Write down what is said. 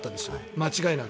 間違いなく。